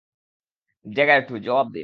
Dagger two, জবাব দিন।